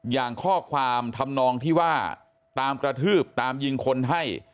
อย่างข้อความทำนองที่ว่าตามกระทืบตามยิงคนให้